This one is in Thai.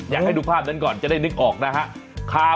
อยากให้ดูภาพนั้นก่อนจะได้นึกออกนะฮะ